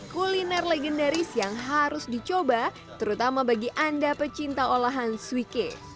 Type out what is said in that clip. kuliner legendaris yang harus dicoba terutama bagi anda pecinta olahan suike